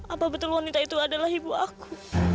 apa betul wanita itu adalah ibu aku